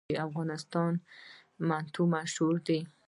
د افغانستان منتو مشهور دي